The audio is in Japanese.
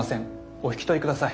お引き取り下さい。